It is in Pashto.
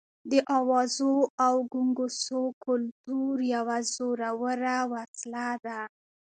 د اوازو او ګونګوسو کلتور یوه زوروره وسله ده.